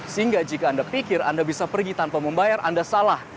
sehingga jika anda pikir anda bisa pergi tanpa membayar anda salah